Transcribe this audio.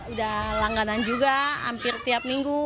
udah langganan juga hampir tiap minggu